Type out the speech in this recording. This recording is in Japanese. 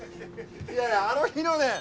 いやいやあの日のね熱狂！